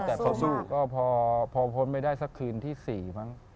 เขาสู้แต่พอพ้นไปได้สักคืนที่สี่มั้ง